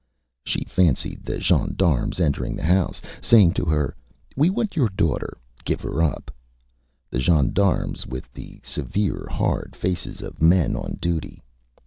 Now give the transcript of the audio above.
.. .Â She fancied the gendarmes entering the house, saying to her: ÂWe want your daughter; give her up:Â the gendarmes with the severe, hard faces of men on duty.